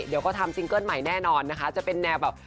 เดี๋ยวก็ทำซิงเกิ้ลใหม่แน่นอนนะคะจะเป็นแนวแบบ